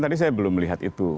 tadi saya belum melihat itu